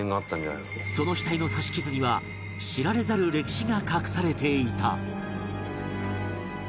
その額の刺し傷には知られざる歴史が隠されていた